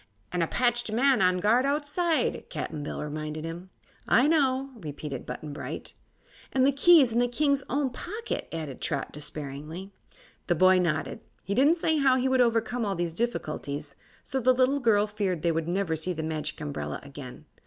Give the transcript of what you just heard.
"An' a patched man on guard outside," Cap'n Bill reminded him. "I know," repeated Button Bright. "And the key's in the King's own pocket," added Trot, despairingly. The boy nodded. He didn't say how he would overcome all these difficulties, so the little girl feared they would never see the Magic Umbrella again.